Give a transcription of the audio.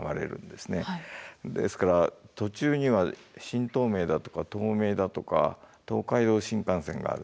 ですから途中には新東名だとか東名だとか東海道新幹線がある。